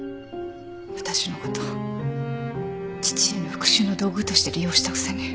私のこと父への復讐の道具として利用したくせに。